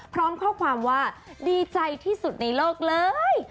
พร้อมข้อความว่าดีใจที่สุดในโลกเลย